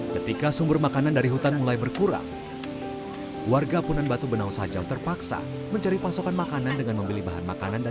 ketika sumber makanan dari hutan mulai berkurang warga punan batu benau sajau terpaksa mencari pasokan makanan dengan membeli bahan makanan